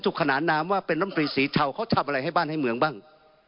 คณะน้ำตรีสีเทาเค้าทำอะไรให้บ้านให้เมืองบ้าง